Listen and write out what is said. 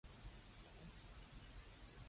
長洲賓客人數多